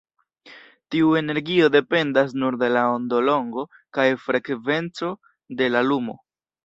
Tiu energio dependas nur de la ondolongo kaj frekvenco de la lumo.